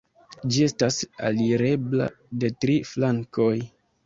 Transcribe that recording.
Ĝi estas alirebla de tri flankoj.